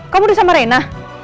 kamu udah sama rina